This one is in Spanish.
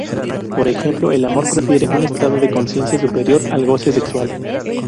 Por ejemplo, en el amor, prefiere un estado de consciencia superior al goce sexual.